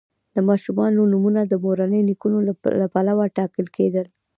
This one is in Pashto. د ماشومانو نومونه د مورني نیکونو له پلوه ټاکل کیدل.